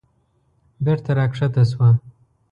بېرته راکښته شوه.